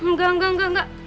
engga engga engga